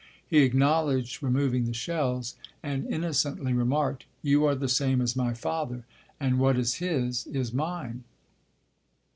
He acknowledged removing the shells and innocently remarked, "You are the same as my father, and what is his is mine."